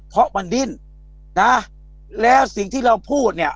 เพราะมันดิ้นนะแล้วสิ่งที่เราพูดเนี่ย